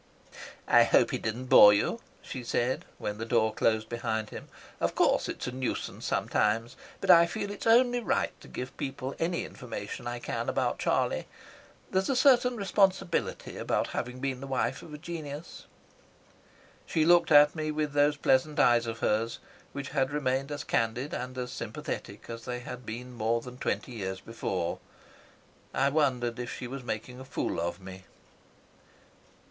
"I hope he didn't bore you," she said, when the door closed behind him. "Of course it's a nuisance sometimes, but I feel it's only right to give people any information I can about Charlie. There's a certain responsibility about having been the wife of a genius." She looked at me with those pleasant eyes of hers, which had remained as candid and as sympathetic as they had been more than twenty years before. I wondered if she was making a fool of me.